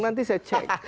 nanti saya cek